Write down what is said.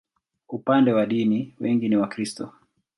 Upande wa dini, wengi ni Wakristo.